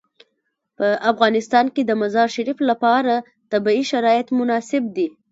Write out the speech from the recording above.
په افغانستان کې د مزارشریف لپاره طبیعي شرایط مناسب دي.